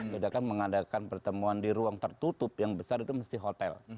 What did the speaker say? kita kan mengadakan pertemuan di ruang tertutup yang besar itu mesti hotel